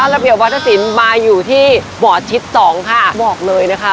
ระเบียบวัฒนศิลป์มาอยู่ที่บอร์ดชิดสองค่ะบอกเลยนะคะ